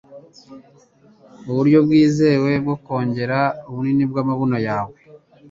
uburyo bwizewe bwo kongera ubunini bw'amabuno yawe